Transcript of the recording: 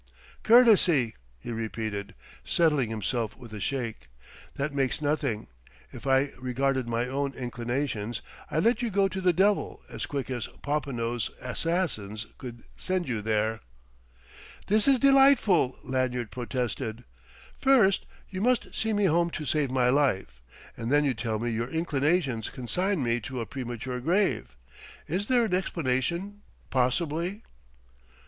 "Courtesy!" he repeated, settling himself with a shake. "That makes nothing. If I regarded my own inclinations, I'd let you go to the devil as quick as Popinot's assassins could send you there!" "This is delightful!" Lanyard protested. "First you must see me home to save my life, and then you tell me your inclinations consign me to a premature grave. Is there an explanation, possibly?"